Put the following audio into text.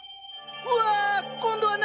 うわ！今度は何？